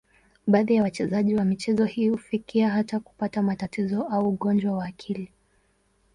Baadhi ya wachezaji wa michezo hii hufikia hata kupata matatizo au ugonjwa wa akili.